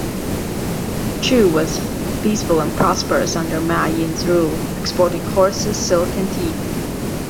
Chu was peaceful and prosperous under Ma Yin's rule, exporting horses, silk and tea.